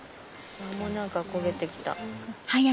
もう何か焦げてきた。